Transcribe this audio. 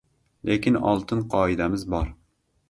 Lekin oltin qoidamiz bor.